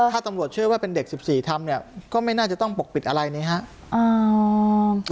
ถ้าตำรวจเชื่อว่าเป็นเด็ก๑๔ทำเนี่ยก็ไม่น่าจะต้องปกปิดอะไรนี้ครับ